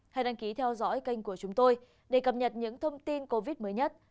hãy đăng ký theo dõi kênh của chúng tôi để cập nhật những thông tin covid mới nhất